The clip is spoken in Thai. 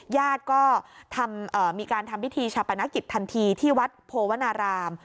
ญาติก็มีการทำพิธีชาปนกิจทันทีที่วัดโพวนาราม